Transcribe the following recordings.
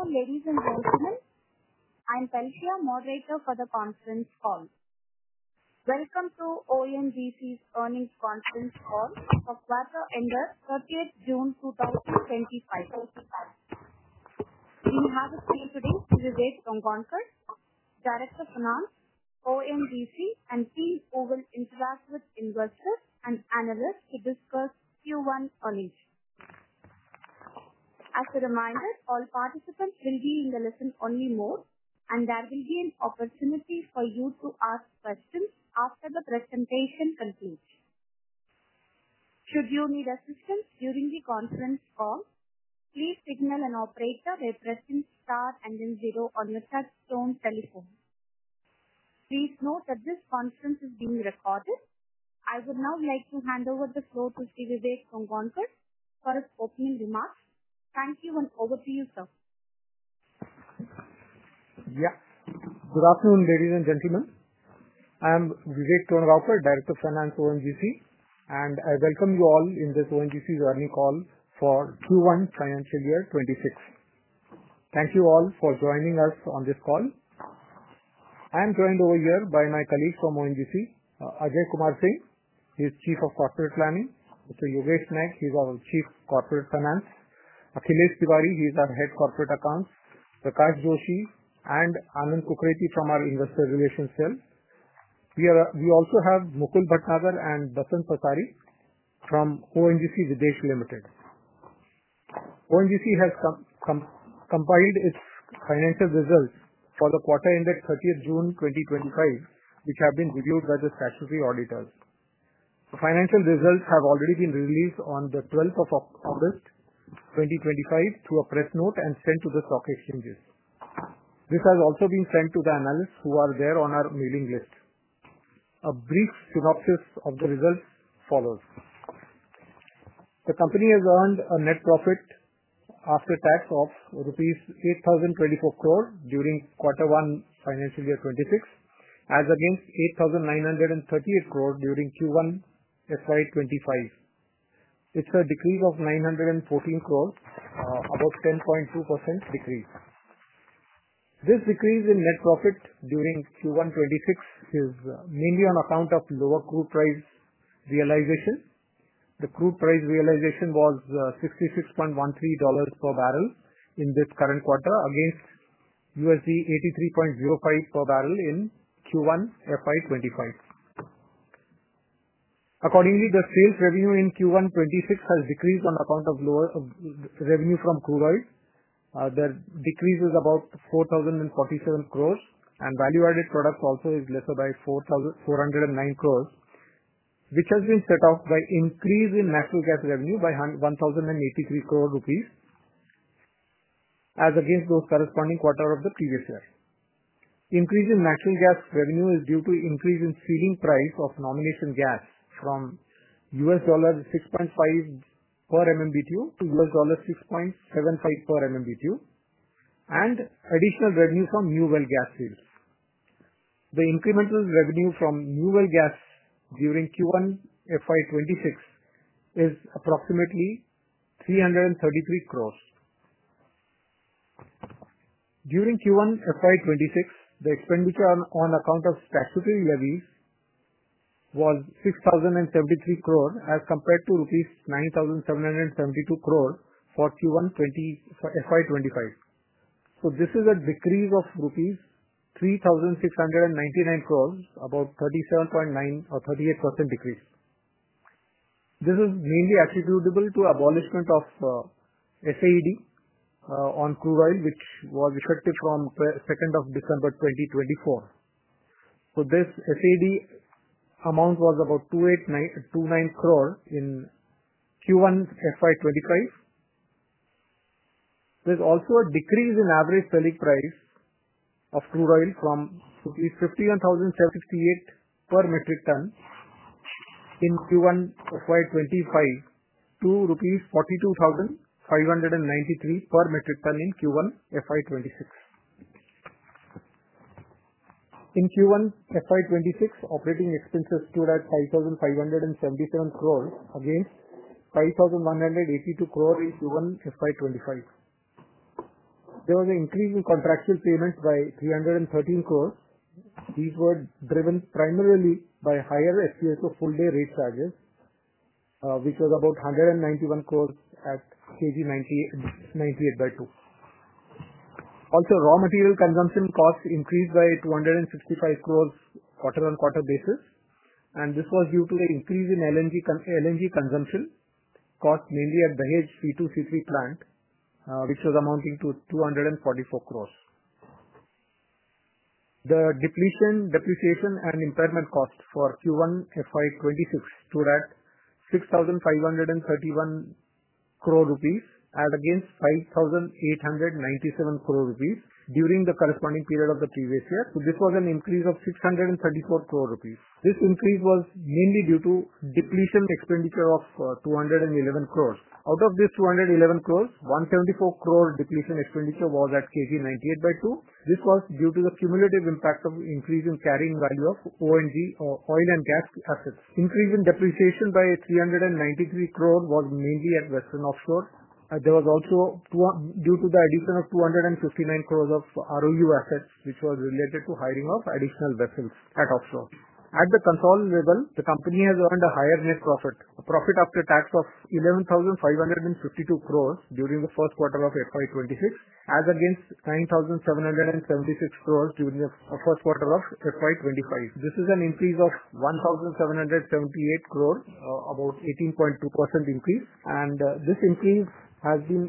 Good afternoon, ladies and gentlemen. I'm Kanshina, moderator for the conference call. Welcome to ONGC's earnings conference call, as per 30th June 2025. We have a few minutes to debate on concepts. Director Finance, ONGC, and field over interactive investors and analysts will discuss Q1 earnings. As a reminder, all participants will be in the listen-only mode, and there will be an opportunity for you to ask questions after the presentation concludes. Should you need assistance during the conference call, please signal an operator, their preference, star, and then zero on your touch-tone telephone. Please note that this conference is being recorded. I would now like to hand over the floor to Vivek from Conference for a spoken remark. Thank you and over to you, sir. Yes. Good afternoon, ladies and gentlemen. I am Vivek Tongaonkar, Director of Finance for ONGC, and I welcome you all in this ONGC's earnings call for Q1 financial year 2026. Thank you all for joining us on this call. I'm joined over here by my colleagues from ONGC, Ajay Kumar Singh, who is Chief of Corporate Planning; Mr. Yogesh Naik, who is our Chief of Corporate Finance; Akhilesh Tiwari, who is our Head of Corporate Accounts; Prakash Joshi, and Anand Kukreti from our Investor Relations Sale. We also have Mukul Bhatnagar and Basant Patari from ONGC Videsh Limited. ONGC has compiled its financial results for the quarter ended 30th June 2025, which have been reviewed by the statutory auditors. The financial results have already been released on the 12th of August 2025 through a press note and sent to the stock exchanges. This has also been sent to the analysts who are there on our mailing list. A brief synopsis of the results follows. The company has earned a net profit after tax of rupees 8,024 crore during quarter one, financial year 2026, as against 8,938 crore during Q1 FY 2025. It's a decrease of 914 crore, about 10.2% decrease. This decrease in net profit during Q1 2026 is mainly on account of lower crude oil price realizations. The crude oil price realization was INR 66.13 per bbl in this current quarter, against INR 83.05 per bbl in Q1 FY 2025. Accordingly, the sales revenue in Q1 2026 has decreased on account of lower revenue from crude oil. The decrease is about 4,047 crore, and value-added product also is lesser by 4,409 crore, which has been set off by an increase in natural gas revenue by 1,083 crore rupees, as against those corresponding quarters of the previous year. The increase in natural gas revenue is due to an increase in the ceiling price for nomination gas from INR 6.5 per MMBtu to INR 6.75 per MMBtu, and additional revenue from New Well Gas sales. The incremental revenue from New Well Gas during Q1 FY 2026 is approximately INR 333 crore. During Q1 FY 2026, the expenditure on account of statutory levies was 6,073 crore as compared to rupees 9,772 crore for Q1 FY 2025. This is a decrease of rupees 3,699 crore, about 37.9% or 38% decrease. This is mainly attributable to the abolishment of SAED on crude oil, which was effective from 2nd of December 2024. This SAED amount was about 2.9 crore in Q1 FY 2025. There is also a decrease in average selling price of crude oil from rupees 51,068 per metric ton in Q1 FY 2025 to rupees 42,593 per metric ton in Q1 FY 2026. In Q1 FY 2026, operating expenses stood at 5,577 crore, against 5,182 crore in Q1 FY 2025. There was an increase in contractual payment by INR 313 crore. These were driven primarily by higher FPSO full-day rate charges, which was about 191 crore at KG 98/2. Also, raw material consumption costs increased by 265 crore on a quarter-on-quarter basis, and this was due to the increase in LNG consumption costs, mainly at Dahej C2-C3 plant, which was amounting to 244 crore. The depletion, depreciation, and impairment costs for Q1 FY 2026 stood at 6,531 crore rupees, against 5,897 crore rupees during the corresponding period of the previous year. This was an increase of 634 crore rupees. This increase was mainly due to depletion expenditure of 211 crore. Out of this 211 crore, 174 crore depletion expenditure was at KG 98/2. This was due to the cumulative impact of the increase in carrying value of ONGC oil and gas assets. The increase in depreciation by 393 crore was mainly at vessel offshore. There was also due to the addition of 259 crore of ROU assets, which was related to hiring of additional vessels at offshore. At the consolidated level, the company has earned a higher net profit, a profit after tax of 11,552 crore during the first quarter of FY 2026, as against 9,776 crore during the first quarter of FY 2025. This is an increase of 1,778 crore, about 18.2% increase, and this increase has been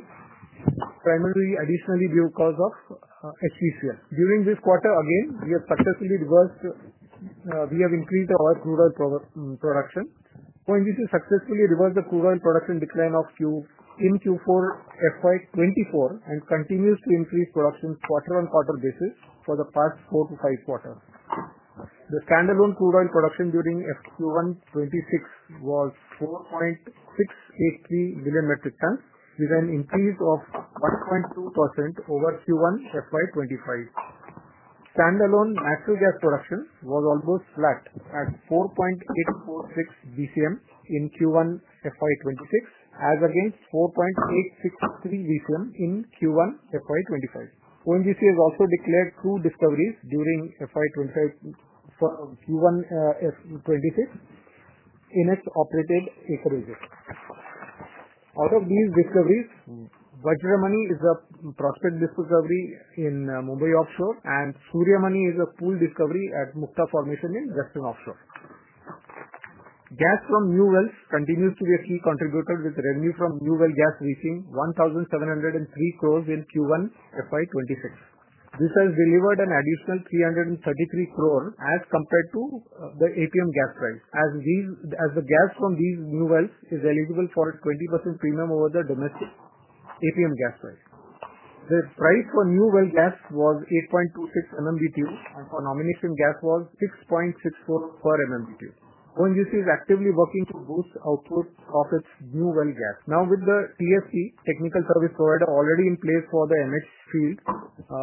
primarily additionally due to the cause of HVCR. During this quarter, we have increased our crude oil production. ONGC successfully reversed the crude oil production decline in Q4 FY 2024 and continues to increase production on a quarter-on-quarter basis for the past four to five quarters. The standalone crude oil production during Q1 FY 2026 was 4.683 illion metric ton, with an increase of 1.2% over Q1 FY 2025. Standalone natural gas production was almost flat at 4.846 BCM in Q1 FY 2026, as against 4.863 BCM in Q1 FY 2025. ONGC has also declared two discoveries during FY 2025, Q1 FY 2026, in ex-operated equities. Out of these discoveries, Vajramani is a prospect discovery in Mumbai Offshore, and Suryamani is a pool discovery at Mukta Formation in Western Offshore. Gas from New Well continues to be a key contributor with revenue from New Well Gas reaching 1,703 crore in Q1 FY 2026. This has delivered an additional 333 crore as compared to the APM gas price, as the gas from these new wells is eligible for a 20% premium over the domestic APM gas price. The price for New Well Gas was 8.26 MMBtu, and for nomination gas was 6.64 MMBtu. ONGC is actively working to boost output of its New Well Gas. Now, with the TSP Technical Service Provider already in place for the MH field, a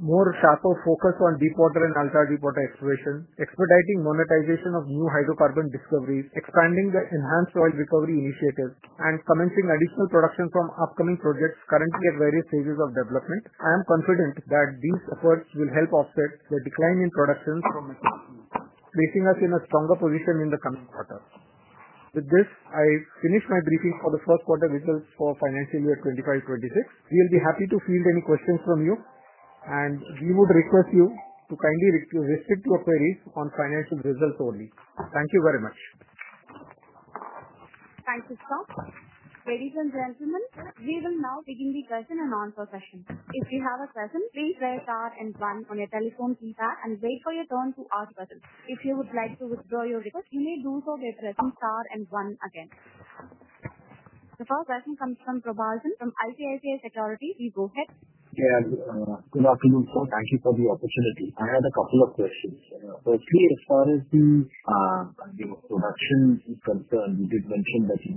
more sharper focus on deep water and ultradeep exploration, expediting monetization of new hydrocarbon discoveries, expanding the enhanced oil recovery initiative, and commencing additional production from upcoming projects currently at various stages of development, I am confident that these efforts will help offset the decline in production from basing us in a stronger position in the coming quarter. With this, I finish my briefing for the first quarter results for financial year 2025–2026. We'll be happy to field any questions from you, and we would request you to kindly restrict your queries on financial results only. Thank you very much. Thank you, sir. Ladies and gentlemen, we will now begin the question-and-answer session. If you have a question, please press star and one on your telephone keypad and wait for your turn to ask questions. If you would like to withdraw your ticket, you may do so by pressing star and one again. The first question comes from Probal Sen, from ICICI Securities. Please go ahead. Yeah, good afternoon, sir. Thank you for the opportunity. I have a couple of questions. Firstly, as far as the production concerned, you just mentioned that the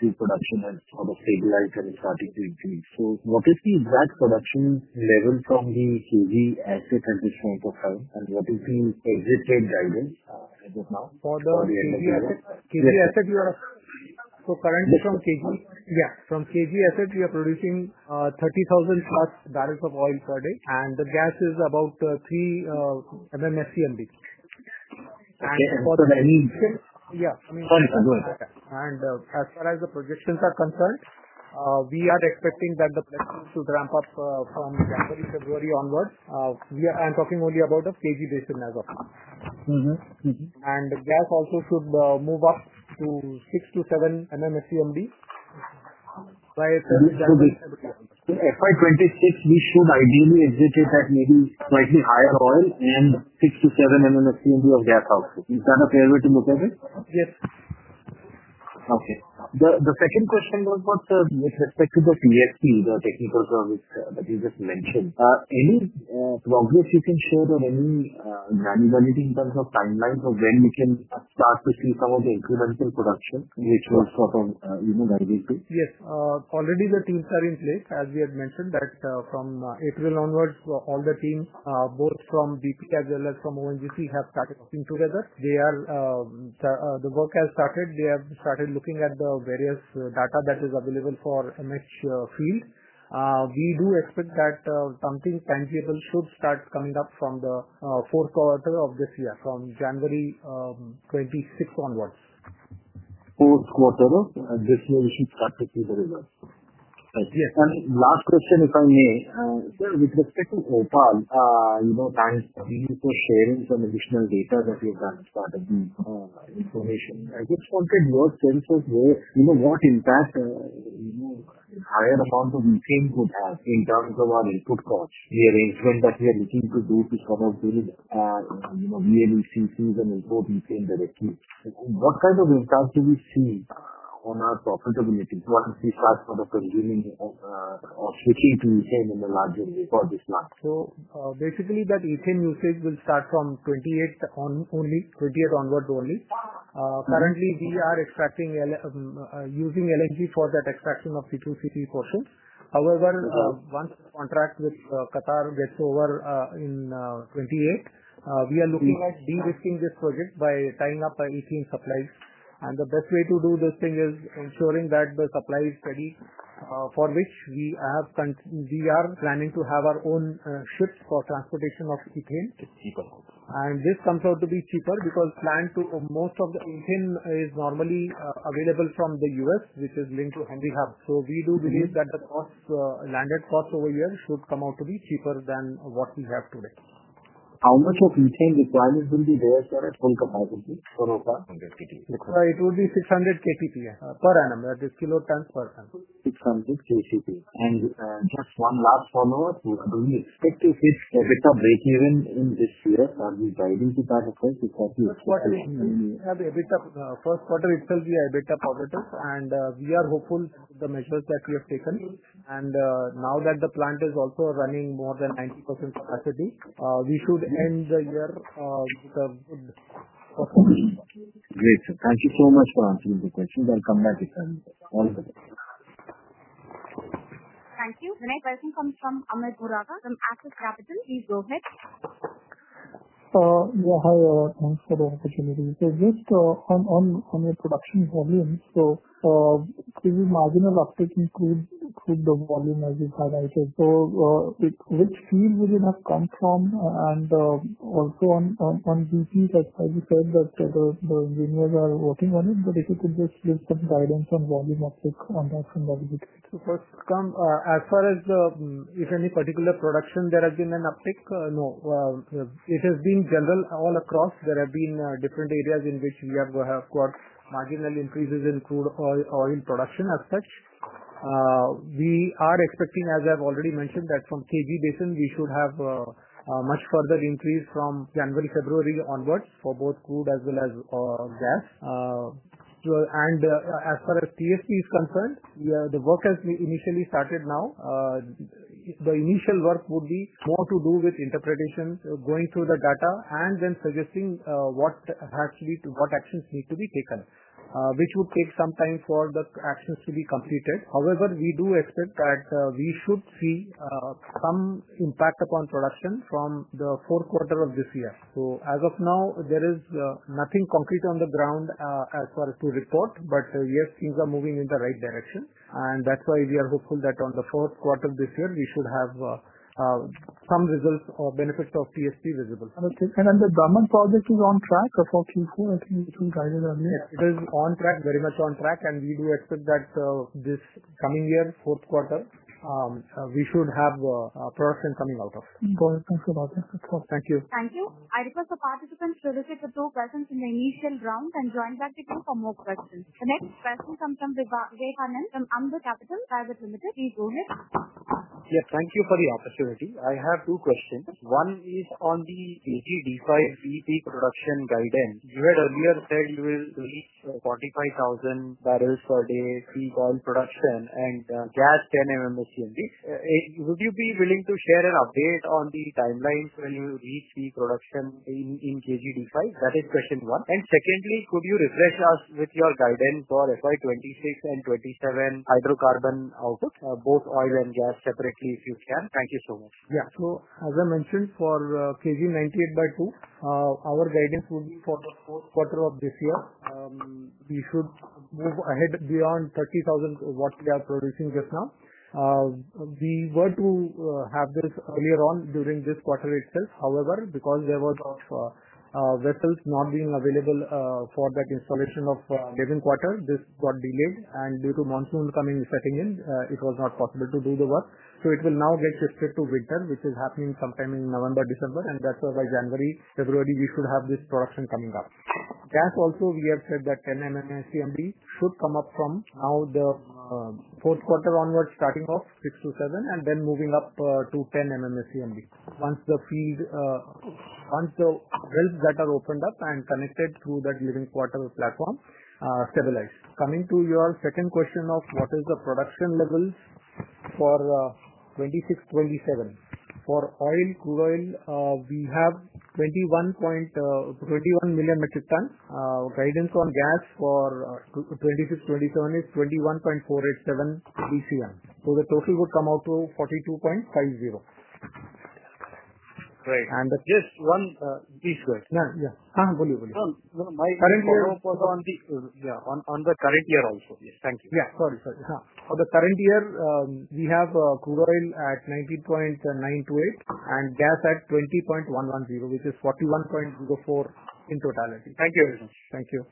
crude production has sort of stabilized and is starting to increase. What is the exact production level from the KG asset at this point of time, and what is the exited guidance as of now for the KG asset? KG asset, you are so currently from KG? Yeah, from KG asset, we are producing 30,000+ bbl of oil per day, and the gas is about 3 mmscmd. For the... Yeah, I mean on those. As far as the projections are concerned, we are expecting that the production should ramp up from January-February onward. We are talking only about the KG Basin as of now. The gas also should move up to 6 to 7 mmscmd. By FY 2026, we should ideally exit at maybe slightly higher oil and 6 mmscmd-7 mmscmd of gas also. Is that a fair way to look at it? Yes. Okay. The second question was about, sir, with respect to the TSP, the technical service that you just mentioned, any progress you can share or any granularity in terms of timelines of when we can start to see some of the incremental production, which was sort of... Yes. Already, the teams are in place. As we had mentioned, from April onwards, all the teams, both from DPK as well as from ONGC, have started working together. The work has started. They have started looking at the various data that is available for MH field. We do expect that something tangible should start coming up from the fourth quarter of this year, from January 2026 onwards. Fourth quarter, this year we should start to see the results. Yes. Last question, if I may, sir, with respect to OPaL and for sharing some additional data that we've got about information, I just wanted your sense of what impact a higher amount of lithium would have in terms of our input cost, the arrangement that we are looking to do to come up with a minimum CC and improve lithium directly. What kind of impact do we see on our profitability? What is the impact on the consuming of lithium in the larger year for this plant? Basically, that lithium usage will start from 2028 onwards only. Currently, we are using LNG for that extraction of P2CP quartiles. However, once the contract with Qatar gets over in 2028, we are looking at de-risking this project by tying up our lithium supplies. The best way to do this thing is ensuring that the supply is steady, for which we are planning to have our own ships for transportation of lithium. It's cheaper also. This comes out to be cheaper because most of the lithium is normally available from the U.S., which is linked to Henry Hub. We do believe that the landed cost over here should come out to be cheaper than what we have today. How much of lithium requirements will be brought on its own capacity for a plant? It would be 600 kilotons per annum, that is kilotons per annum. 600 KPP. Just one last follow-up. Do we expect to face EBITDA breakeven in this year? Are we dividing the target to 40 or 40? We have EBITDA first quarter, it will be EBITDA positive. We are hopeful with the measures that we have taken, and now that the plant is also running more than 90% asset-based, we should end the year with a good profit. Great. Thank you so much for answering the questions. I'll come back again. Thank you. The next question comes from Amit Kukreja from Axis Capital. Please go ahead. Yeah, hi. Thanks for the opportunity. It's just on the production volume. The marginal uptake includes the volume as you highlighted. Which field will it have come from? Also, on DCs, as far as you said, the veneers are working on it. If you could just give some guidance on volume uptake on that.ami As far as if any particular production there has been an uptake, no. It has been general all across. There have been different areas in which we have got marginal increases in crude oil production as such. We are expecting, as I've already mentioned, that from KG Basin, we should have a much further increase from January-February onwards for both crude as well as gas. As far as TSP is concerned, the work has been initially started now. The initial work would be more to do with interpretations, going through the data, and then suggesting what actually what actions need to be taken, which would take some time for the actions to be completed. However, we do expect that we should see some impact upon production from the fourth quarter of this year. As of now, there is nothing concrete on the ground as far as to report. Yes, things are moving in the right direction. That's why we are hopeful that on the fourth quarter of this year, we should have some results or benefits of TSP visible. Okay. The Daman project is on track for Q4? I think you shouldn't have it. It is on track, very much on track. We do expect that this coming year, fourth quarter, we should have a production coming out of. Thanks a lot. Thank you. Thank you. I request the participants to rotate the floor present in the initial round and join the Q&A for more questions. The next question comes from Vivekanand from Ambit Capital Pvt Ltd. Please go ahead. Yes, thank you for the opportunity. I have two questions. One is on the KG-D5 peak production guidance. You had earlier said you will release 45,000 barrels per day crude oil production and gas 10 mmscmd. Would you be willing to share an update on the timelines when you reach the production in KG-D5? That is question one. Secondly, could you refresh us with your guidance for FY 2026 and FY 2027 hydrocarbon outputs, both oil and gas separately if you can? Thank you so much. Yeah. As I mentioned, for KG 98/2, our guidance would be for the fourth quarter of this year. We should move ahead beyond 30,000, what we are producing just now. We were to have this earlier on during this quarter itself. However, because there was a vessel not being available for that installation of the living quarter, this got delayed. Due to monsoon setting in, it was not possible to do the work. It will now get shifted to winter, which is happening sometime in November, December. That's why by January, February, we should have this production coming out. Gas also, we have said that 10 mmscmd should come up from now, the fourth quarter onwards, starting off 6 to 7, and then moving up to 10 mmscmd once the wells that are opened up and connected through that living quarter platform stabilize. Coming to your second question of what is the production levels for FY 2026–27. For crude oil, we have 21 MMT. Guidance on gas for FY 2026-2027 is 21.487 BCM. The total would come out to 42.50. Right. The first one, these wells. Yeah. Yeah. Huh? Yeah, yeah. Current year was on these. Yeah, on the current year also. Yes. Thank you. Sorry, sorry. On the current year, we have crude oil at 90.928 and gas at 20.110, which is 41.04 in totality. Thank you, Aruna. Thank you.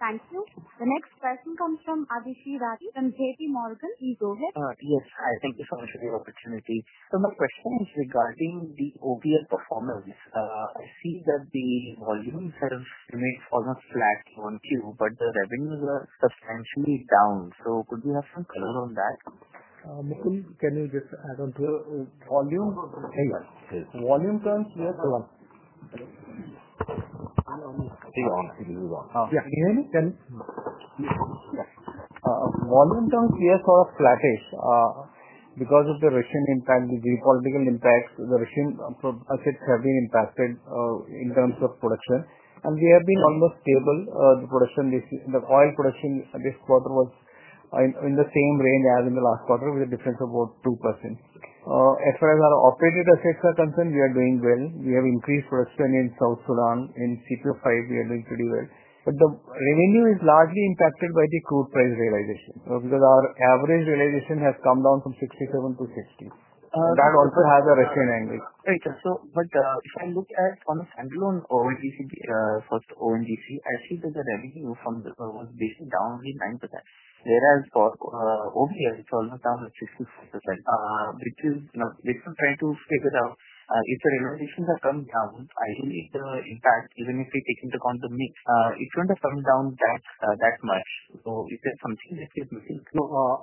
Thank you. The next question comes from Atishy Rathi from JPMorgan. Please go ahead. Yes, hi. Thank you so much for the opportunity. My question is regarding the OVL performance. I see that the volume curves remain almost flat Q1, Q2, but the revenues are substantially down. Could you have some clue on that? Mukul, can you just add on to that? Volume curves? Hang on. Volume curves here for... Hang on. Hang on. Yeah, can you hear me? Yes. Volume curves here sort of flatten because of the Russian impact, the geopolitical impacts. The Russian assets have been impacted in terms of production, and we have been almost stable. The oil production this quarter was in the same range as in the last quarter, with a difference of about 2%. As far as our operated assets are concerned, we are doing well. We have increased production in South Sudan. In CPF 5, we are doing pretty well. The revenue is largely impacted by the crude oil price realizations because our average realization has come down from 67-60. That also has a Russian angle. Interesting. If I look at kind of standalone ONGC, first ONGC, I see that the revenue from the was basically down only 9%. Whereas for OVL, it's almost down like 66%. We're still trying to figure out if the revenue is going to come down. I believe the impact, even if we take into account the mix, it's going to come down that much. If there's something that's missing.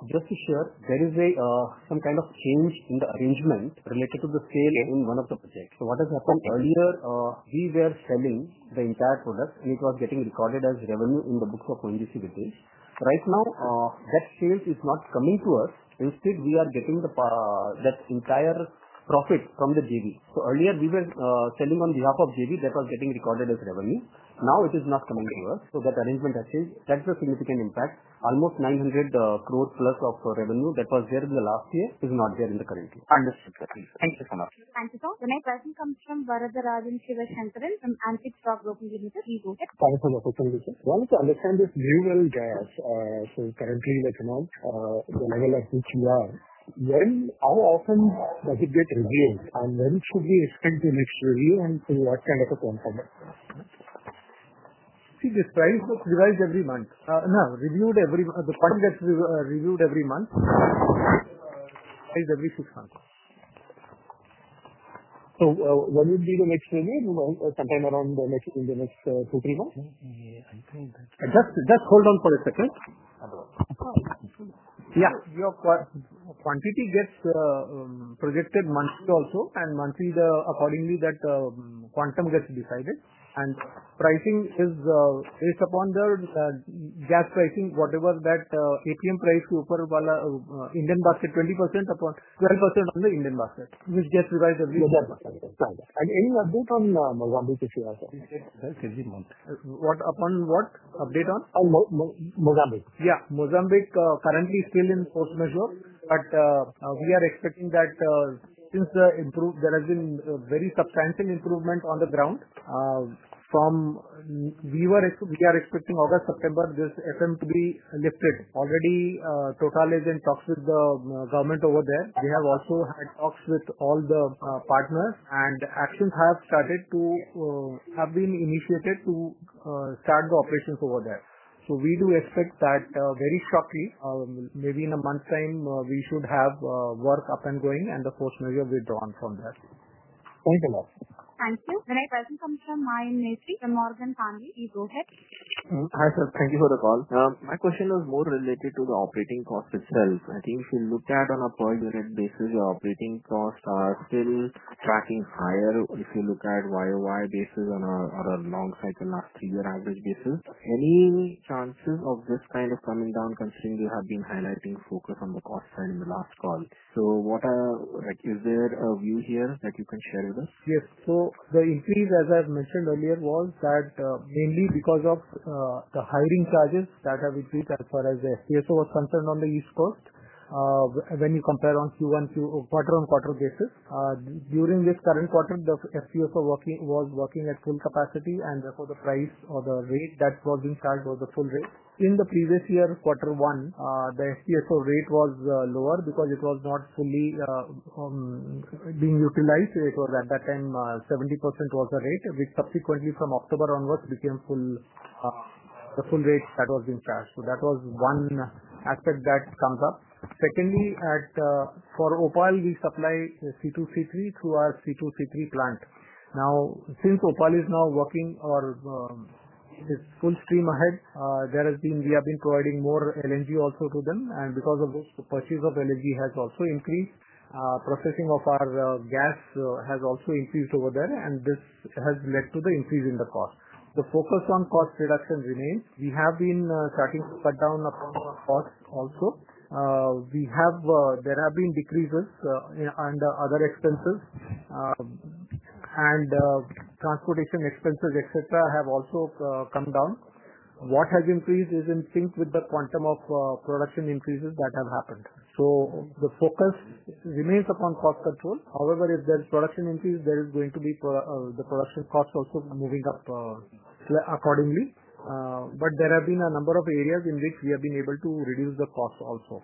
Just to share, there is some kind of change in the arrangement related to the sale in one of the projects. What has happened earlier, we were selling the entire product, and it was getting recorded as revenue in the book of ONGC. With this, right now, that sale is not coming to us. Instead, we are getting that entire profit from the JV. Earlier, we were selling on behalf of JV. That was getting recorded as revenue. Now it is not coming to us. What arrangement I see, that's a significant impact. Almost 900 crore plus of revenue that was there in the last year is not there in the current year. Understood. Thank you so much. Thank you, sir. The next question comes from Baraja Ravi from Ansix Rock, Brooklyn United. Please go ahead. Baraja, Brooklyn United. I wanted to understand if New Well Gas is currently like around the level at which you are. How often does it get reviewed? When should we expect a next review and in what kind of a format? See, this price book reviews every month. No, reviewed every month. The price that's reviewed every month is every six months. When will be the next review? Sometime in the next two, three months. Yeah, I think that's. Just hold on for a second. Yeah. Yeah. Your quantity gets projected monthly also. Monthly, accordingly, that quantum gets decided. Pricing is based upon the gas pricing, whatever that ATM price to upper value Indian basket, 20% upon 12% on the Indian basket, which gets revised every month. there any update on Mozambique this year as well? Yes, every month. What? Upon what? Update on? Mozambique. Yeah. Mozambique currently is still in the fourth measure. We are expecting that since the improvement, there has been a very substantial improvement on the ground. We were expecting August, September, this FMP be lifted. Total is in talks with the government over there. They have also had talks with all the partners. Actions have started to have been initiated to start the operations over there. We do expect that very shortly, maybe in a month's time, we should have work up and going and the fourth measure withdrawn from there. Thank you a lot. Thank you. The next question comes from Mayank Nesri from Morgan Stanley. Please go ahead. Hi, sir. Thank you for the call. My question is more related to the operating cost itself. I think if you look at on a per unit basis, the operating costs are still tracking higher. If you look at YOY basis on a long cycle last two-year average basis, any chances of this kind of coming down considering you have been highlighting focus on the cost side in the last call? What are like is there a view here that you can share with us? Yes. The increase, as I've mentioned earlier, was mainly because of the hiring charges that have increased as far as the FPSO was concerned on the East Coast. When you compare Q1, Q2 on a quarter basis, during this current quarter, the FPSO was working at full capacity, and therefore, the price or the rate that was being charged was the full rate. In the previous year, quarter one, the FPSO rate was lower because it was not fully being utilized. At that time, 70% was the rate. Subsequently, from October onwards, it became the full rate that was being charged. That was one aspect that comes OPaL (OPaL), we supply C2C3 through our C2C3 plant. Now, since OPaL is now working or is full stream ahead, we have been providing more LNG also to them. Because of this, the purchase of LNG has also increased. Processing of our gas has also increased over there, and this has led to the increase in the cost. The focus on cost reduction remains. We have been starting to cut down upon our costs also. There have been decreases in other expenses, and transportation expenses, etc., have also come down. What has increased is in sync with the quantum of production increases that have happened. The focus remains upon cost control. However, if there's production increase, there is going to be the production costs also moving up accordingly. There have been a number of areas in which we have been able to reduce the costs also,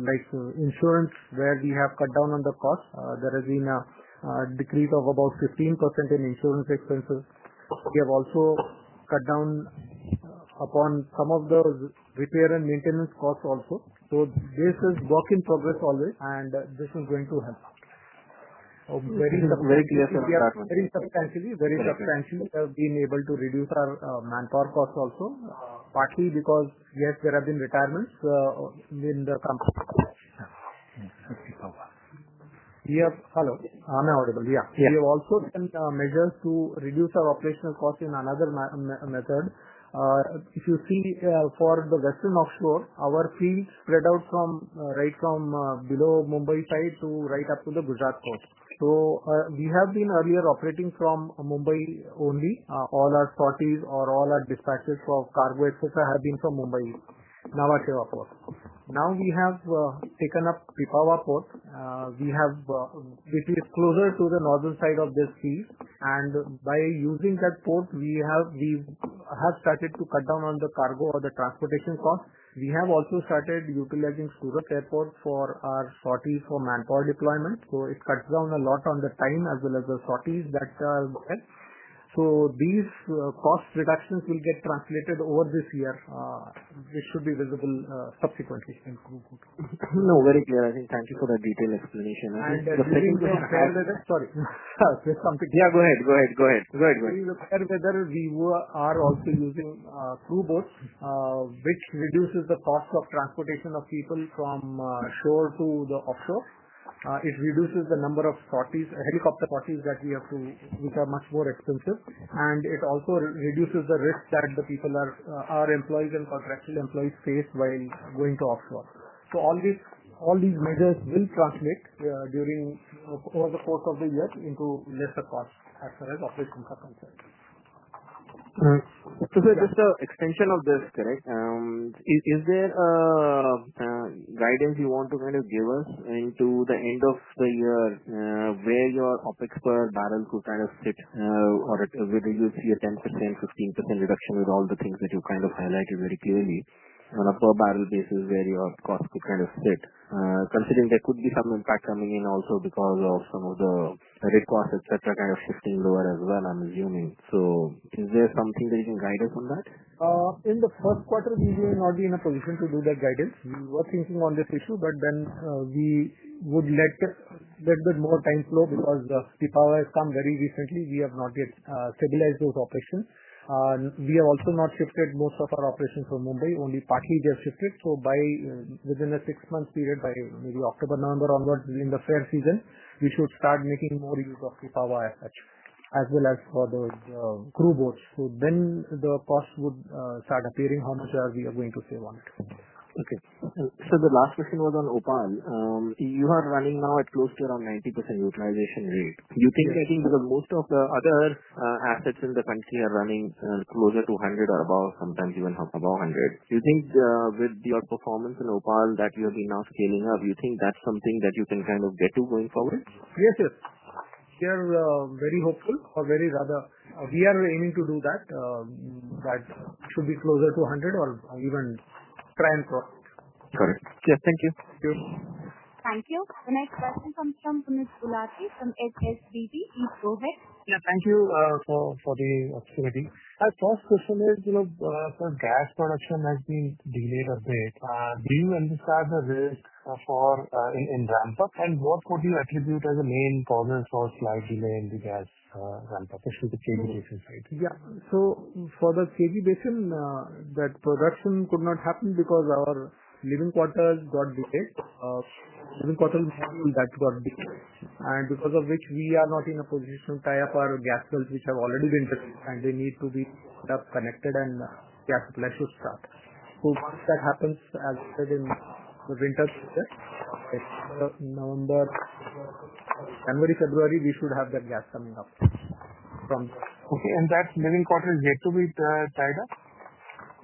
like insurance, where we have cut down on the costs. There has been a decrease of about 15% in insurance expenses. We have also cut down upon some of the repair and maintenance costs also. This is work in progress always, and this is going to help. Very clear, sir. Very substantially, we have been able to reduce our manpower costs also, partly because, yes, there have been retirements in the company. Thank you so much. Yeah. Hello. I'm audible. We have also done measures to reduce our operational costs in another method. If you see for the Western Offshore, our fields spread out from right from below Mumbai side to right up to the Gujarat coast. We have been earlier operating from Mumbai only. All our sorties or all our dispatches for cargo, et cetera, have been from Mumbai Nava Sheva port. Now we have taken up Pipavav Port, which is closer to the northern side of the seas. By using that port, we have started to cut down on the cargo or the transportation costs. We have also started utilizing Surat Airport for our sorties for manpower deployments. It cuts down a lot on the time as well as the sorties that are there. These cost reductions will get translated over this year, which should be visible subsequently. No, very clear. I think thank you for that detailed explanation. The second is a fair weather. Sorry. Go ahead. Go ahead. Go ahead. In the fair weather, we are also using crew boats, which reduces the cost of transportation of people from shore to the offshore. It reduces the number of helicopter sorties that we have to, which are much more expensive. It also reduces the risk that our employees and contractual employees face while going to offshore. All these measures will translate during over the course of the year into lesser costs as far as operating costs are concerned. Just an extension of this, correct? Is there a guidance you want to kind of give us into the end of the year, where your OpEx per barrel could kind of stick, or whether you see a 10%, 15% reduction with all the things that you kind of highlighted very clearly on a per barrel basis where your cost could kind of stick, considering there could be some impact coming in also because of some of the credit costs, etc., kind of shifting lower as well, I'm assuming. Is there something that you can guide us on that? In the first quarter, we were not in a position to do that guidance. We were thinking on that issue, but we would let a bit more time flow because the Pipavav has come very recently. We have not yet stabilized those operations. We have also not shifted most of our operations from Mumbai, only partly just shifted. Within a six-month period, maybe October, November onwards in the fair season, we should start making more use of Pipavav assets as well as for the crew boats. The costs would start appearing, how much we are going to save on it. Okay. The last question was on OPaL. You are running now at close to around 90% utilization rate. You think, I think, because most of the other assets in the country are running closer to 100% or above, sometimes even above 100%. You think with your performance in OPaL that you have been now scaling up, you think that's something that you can kind of get to going forward? Yes, yes. We are very hopeful, or rather, we are aiming to do that. That should be closer to 100 or even try and cross it. Correct. Yeah, thank you. Thank you. Thank you. The next question comes from Puneet Gulati from HSBC. Please go ahead. Thank you for the opportunity. My first question is, you know, for gas production has been delayed a bit. Do you anticipate the risk for in ramp-up? What would you attribute as a main cause for supply delay in the gas ramp-up? Yeah. For the KG Basin, that production could not happen because our living quarters got decreased, living quarters that got decreased, and because of which, we are not in a position to tie up our gas belts, which have already been fixed. They need to be connected and the gas supply should start. That happens as in the winter. It's November, January, February, we should have that gas coming up. That's living quarters yet to be tied up?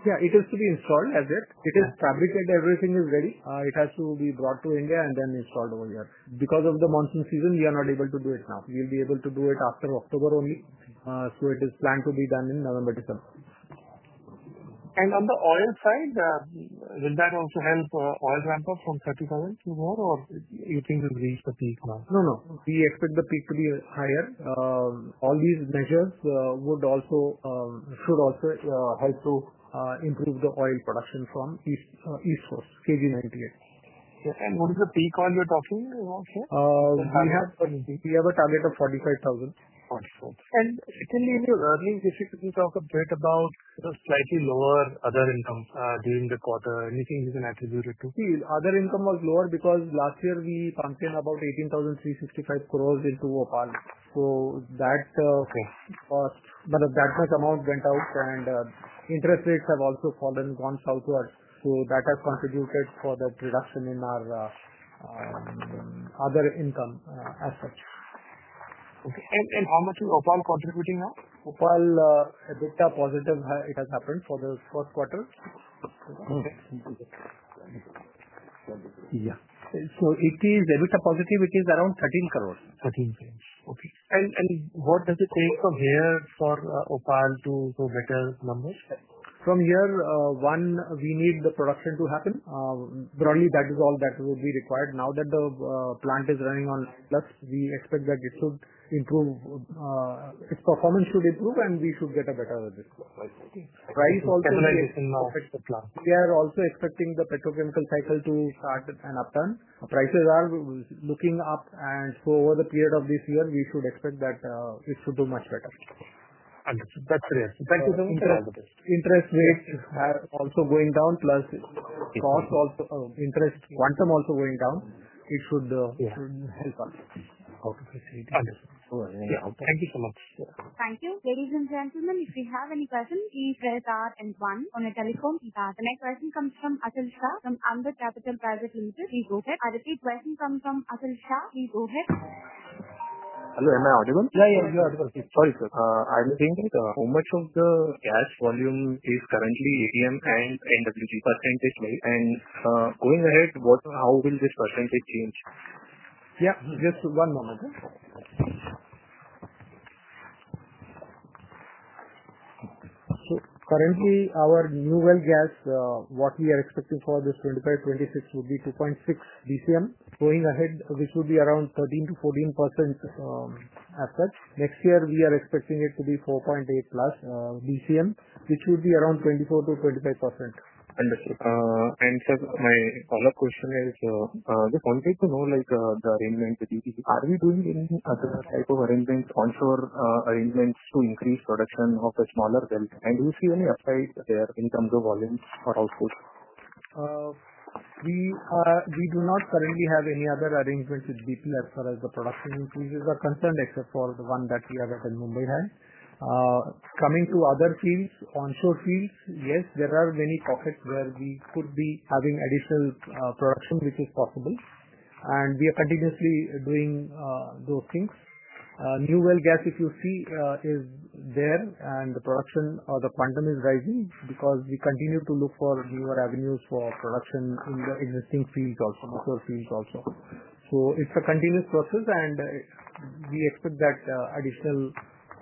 Yeah. It is to be installed as is. It is fabricated. Everything is ready. It has to be brought to India and then installed over here. Because of the monsoon season, we are not able to do it now. We will be able to do it after October only. It is planned to be done in November to come. On the oil side, does that also help oil ramp-up from 30% to more? Do you think we've reached the peak now? No, no. We expect the peak to be higher. All these measures should also help to improve the oil production from East Coast, KG 98. What is the peak oil we're talking about here? We have a target of 45,000. In your earnings, if you could talk a bit about the slightly lower other income during the quarter, anything you can attribute it to? Other income was lower because last year we pumped in about 18,365 crore into OPaL. That's the fourth. That much amount went out, and interest rates have also fallen and gone southward. That has contributed for that reduction in our other income assets. Okay. How much is OPaL contributing now? OPaL, EBITDA positive, it has happened for the fourth quarter. Yeah. So 80 is EBITDA positive, which is around INR 13 crore. 13. Okay. What does it take OPaL (OPaL) to go better numbers? From here, one, we need the production to happen. Broadly, that is all that would be required. Now that the plant is running on plus, we expect that it should improve. Its performance should improve, and we should get a better risk. Price also is affecting the plant. We are also expecting the petrochemical cycle to start an upturn. Prices are looking up, and over the period of this year, we should expect that it should do much better. Understood. That's clear. Thank you so much. Interest rates are also going down, plus costs also, interest quantum also going down. It shouldn't help us. Understood. Yeah. Thank you so much. Thank you. Ladies and gentlemen, if you have any questions, please raise your hand on your telephone. The next question comes from Achal Shah from Ambit Capital Pvt Ltd. Please go ahead. Our third question comes from Achal Shah. Please go ahead. Hello. Am I audible? Yeah, you're audible. Sorry, sir. I'm saying that how much of the gas volume is currently APM and NWG percentage? Going ahead, how will this % change? Just one moment. Currently, our New Well Gas, what we are expecting for this FY 2025–2026 would be 2.6 BCM. Going ahead, we could be around 13%-14% assets. Next year, we are expecting it to be 4.8 plus BCM, which would be around 24%-25%. Understood. Sir, my follow-up question is, I just wanted to know like the arrangement. Are we doing any other type of arrangements, onshore arrangements to increase production of a smaller belt? Do you see any upside there in terms of volume or output? We do not currently have any other arrangements with BP as far as the production increases are concerned, except for the one that we have at Mumbai High. Coming to other fields, onshore fields, yes, there are many pockets where we could be having additional production, which is possible. We are continuously doing those things. New Well Gas, if you see, is there, and the production or the quantum is rising because we continue to look for newer avenues for production in the existing fields also, mature fields also. It is a continuous process, and we expect that additional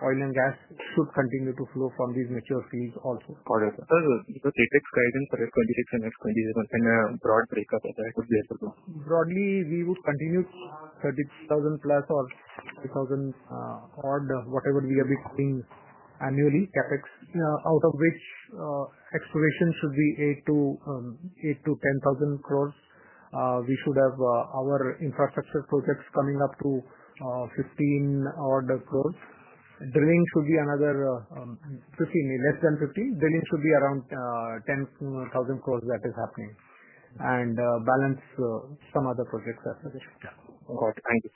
oil and gas should continue to flow from these mature fields also. Perfect. Because if it's guidance for your 20% as 20% and a broad breakup, that would be a problem. Broadly, we would continue INR 30,000+ or 3,000 or whatever we are picking annually, CapEx, out of which excavations should be 8,000-10,000 crores. We should have our infrastructure projects coming up to 15,000 crore. Drilling should be another, less than 15,000. Drilling should be around 10,000 crores, that is happening. Balance some other projects as well. Got it. Thank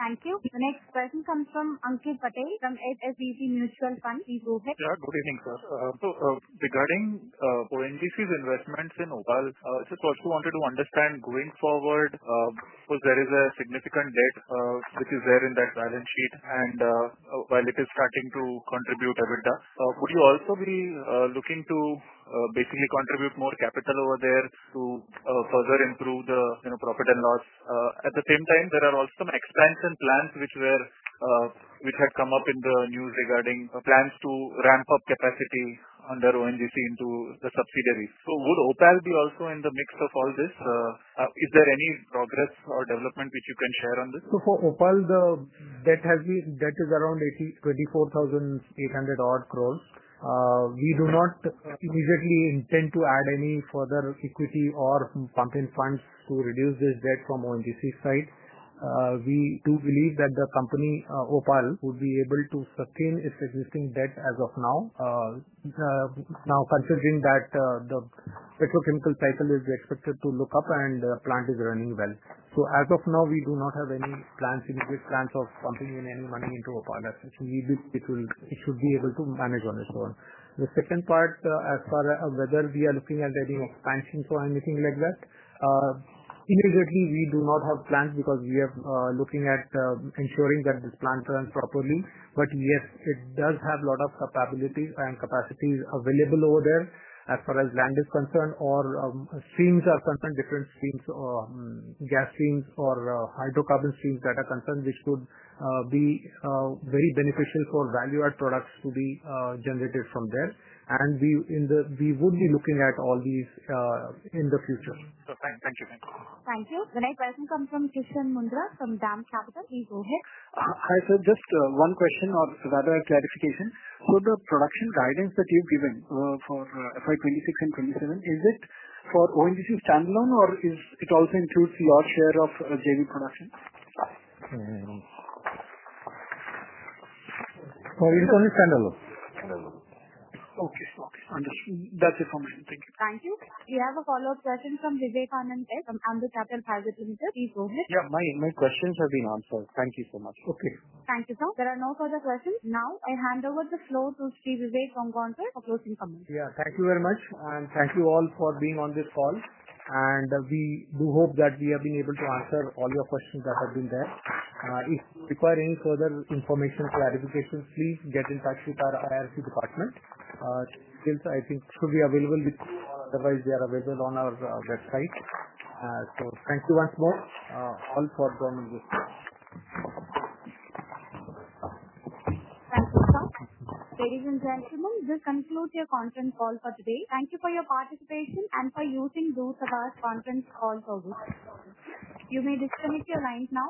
you. Thank you. The next question comes from Kaushik Patel from SS&C Mutual Fund. Please go ahead. go ahead, Mukul. Regarding ONGC's investments in OPaL, I just wanted to understand going forward because there is a significant debt which is there in that balance sheet. While it is starting to contribute EBITDA, would you also be looking to basically contribute more capital over there to further improve the profit and loss? At the same time, there are also some expansion plans which had come up in the news regarding plans to ramp up capacity under ONGC into the subsidiaries. Would OPaL be also in the mix of all this? Is there any progress or development which you can share on this? For OPaL, the debt is around 24,800 crore. We do not immediately intend to add any further equity or pump in funds to reduce this debt from ONGC's side. We do believe company, OPaL, would be able to sustain its existing debts as of now, now considering that the petrochemical cycle is expected to look up and the plant is running well. As of now, we do not have any immediate plans of pumping in into OPaL assets. We believe it should be able to manage on its own. The second part, as far as whether we are looking at any expansion for anything like that, immediately, we do not have plans because we are looking at ensuring that this plant runs properly. It does have a lot of capabilities and capacities available over there as far as land is concerned or streams are concerned, different streams, or gas streams, or hydrocarbon streams that are concerned, which could be very beneficial for value-added products to be generated from there. We would be looking at all these in the future. Thank you. Thank you. The next question comes from Kishan Mundhra from DAM. Please go ahead. Hi, sir. Just one question of weather clarification. Could the production guidance that you've given for FY 2026 and FY 2027, is it for ONGC standalone, or does it also include a large share of JV production? For your question, standalone. Standalone. Okay, that's it for me. Thank you. We have a follow-up question from Vivekanand from Ambit Capital Pvt Ltd. Please go ahead. Yeah. My questions have been answered. Thank you so much. Okay. Thank you, sir. There are no further questions. Now, I hand over the floor to Vivek Tongaonkar from ONGC for closing comments. Thank you very much. Thank you all for being on this call. We do hope that we have been able to answer all your questions that have been there. If requiring further information or clarification, please get in touch with our IRC department. Till I think it should be available with, otherwise, they are available on our website. Thank you once more, all for the. Thank you, sir. Ladies and gentlemen, this concludes your conference call for today. Thank you for your participation and for using Door Sabha's conference call for this. You may disconnect your lines now.